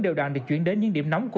cô rất là cảm ơn